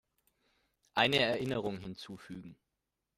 Eine Erinnerung hinzufügen.